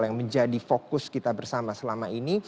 yang menjadi fokus kita bersama selama ini